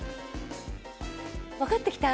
わかってきた？